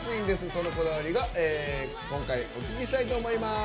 そのこだわりを今回、お聞きしたいと思います。